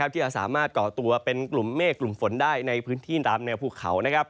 ที่จะสามารถก่อตัวเป็นกลุ่มเมฆกลุ่มฝนได้ในพื้นที่ตามแนวภูเขา